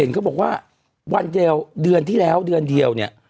เขาบอกว่าวันเดียวเดือนที่แล้วเดือนเดียวเนี่ย